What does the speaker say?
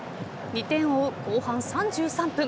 ２点を追う後半３３分。